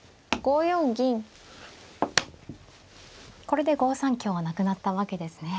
これで５三香はなくなったわけですね。